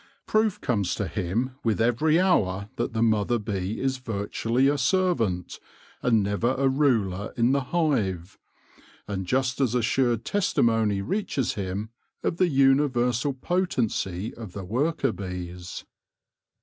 Proof comes to him with every hour that the mother bee is virtually a servant, and never a ruler in the hive; and just as assured testimony reaches him of the universal potency of the worker bees.